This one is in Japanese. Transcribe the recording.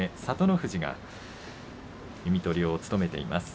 富士が弓取りを務めています。